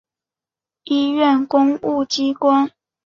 医院公务机关